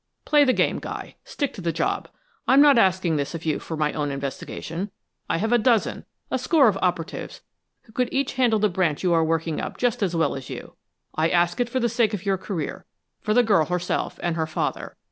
Play the game, Guy; stick to the job. I'm not asking this of you for my own investigation. I have a dozen, a score of operatives who could each handle the branch you are working up just as well as you. I ask it for the sake of your career, for the girl herself, and her father.